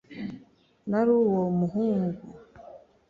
nari uwo muhungu?